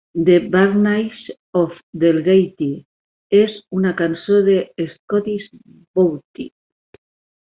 "The Barnyards of Delgaty" és una cançó d"Scottish Bothy.